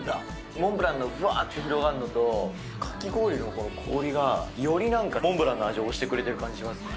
モンブランのぶわーって広がるのとかき氷のこの氷がよりなんかモンブランの味、押してくれてる感じしますね。